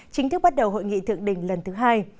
chính thức bắt đầu hội nghị thượng đỉnh lần thứ hai